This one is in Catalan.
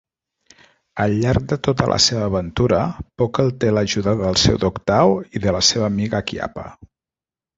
Al llarg de tota la seva aventura, Pockle té l'ajuda del seu dog Tao i de la seva amiga Kyappa.